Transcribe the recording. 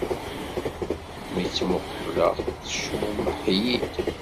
Mi tt-mmuqqleɣ, tecmumeḥ-iyi-d.